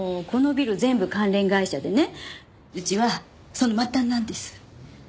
このビル全部関連会社でねうちはその末端なんです。